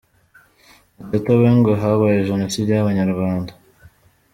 Matata we ngo habaye Jenoside y’Abanyarwanda